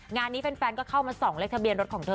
งานนี้แฟนก็เข้ามาส่องเลขทะเบียนรถของเธอ